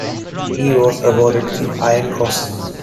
He was awarded the Iron Cross.